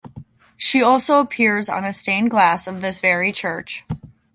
She also appears on a stained glass of this very church.